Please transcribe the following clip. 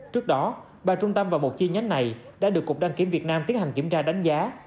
trước đó ba trung tâm và một chi nhánh này đã được cục đăng kiểm việt nam tiến hành kiểm tra đánh giá